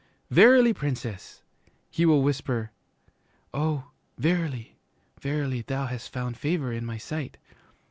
"Verily, Princess," he will whisper, "oh, verily, verily, thou hast found favor in my sight!"